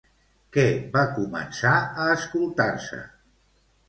Què va començar a escoltar-se?